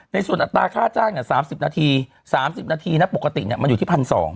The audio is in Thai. ในส่วนอัตราค่าจ้าง๓๐นาที๓๐นาทีนะปกติมันอยู่ที่๑๒๐๐